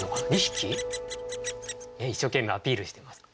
一生懸命アピールしてます。